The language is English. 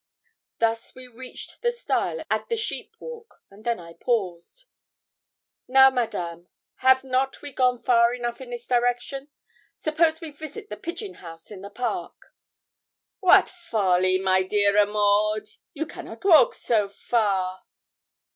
Thus we reached the stile at the sheep walk, and then I paused. 'Now, Madame, have not we gone far enough in this direction? suppose we visit the pigeon house in the park?' 'Wat folly! my dear a Maud you cannot walk so far.'